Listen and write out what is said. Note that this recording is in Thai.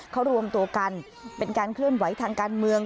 เขารวมตัวกันเป็นการเคลื่อนไหวทางการเมือง